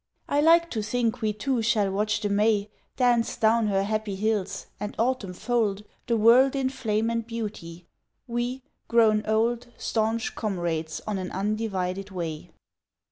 I like to think we two shall watch the May Dance down her happy hills and Autumn fold The world in flame and beauty, we grown old Staunch comrades on an undivided way.